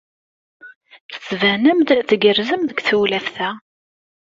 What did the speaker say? Tettbanem-d tgerrzem deg tewlaft-a!